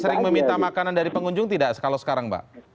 sering meminta makanan dari pengunjung tidak kalau sekarang mbak